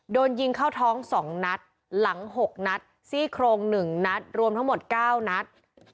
โดนยิงเข้าท้อง๒นัดหลัง๖นัดซี่โครง๑นัดรวมทั้งหมด๙นัด